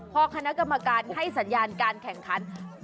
พอคณะกรรมการให้สัญญาการแข่งขัน